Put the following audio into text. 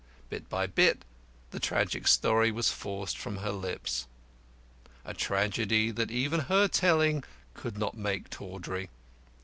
Bit by bit the tragic story was forced from her lips a tragedy that even her telling could not make tawdry.